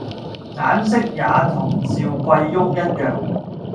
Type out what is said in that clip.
眼色也同趙貴翁一樣，